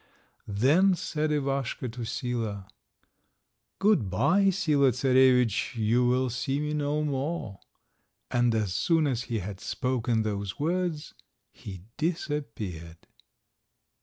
Then said Ivaschka to Sila— "Good bye, Sila Czarovitch, you will see me no more;" and as soon as he had spoken those words he disappeared.